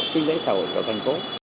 kinh tế xã hội của thành phố